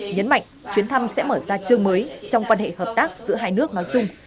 nhấn mạnh chuyến thăm sẽ mở ra chương mới trong quan hệ hợp tác giữa hai nước nói chung